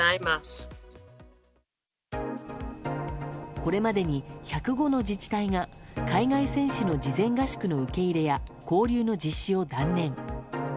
これまでに１０５の自治体が海外選手の事前合宿の受け入れや交流の実施を断念。